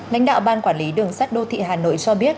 lãnh đạo ban quản lý đường sắt đô thị hà nội cho biết